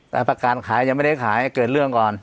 แต่ประกาศขายยังไม่ได้ขายเกิดเรื่องก่อน